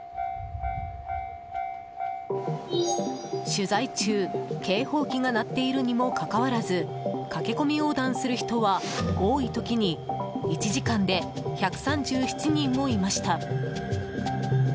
取材中、警報機が鳴っているにもかかわらず駆け込み横断する人は多い時に１時間で１３７人もいました。